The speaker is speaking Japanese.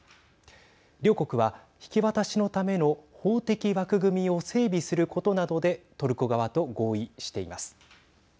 両国は引き渡しのための法的枠組みを整備することなどでトルコ側と合意しています。